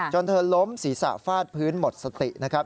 เธอล้มศีรษะฟาดพื้นหมดสตินะครับ